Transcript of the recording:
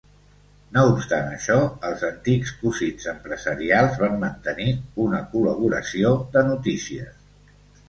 No obstant això, els antics cosins empresarials van mantenir una col·laboració de notícies.